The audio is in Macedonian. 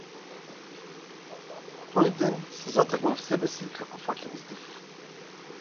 Тој ден се затекнав себе си како фаќам здив.